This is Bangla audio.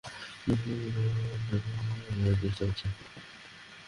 কিন্তু সেই সরকার তাদের ক্রিমিনাল বুদ্ধি খাটিয়ে আমার সাথে চালাকি করার চেষ্টা করেছিল।